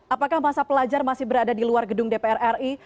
apakah masa pelajar masih berada di luar gedung dpr ri